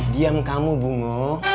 diam kamu bungo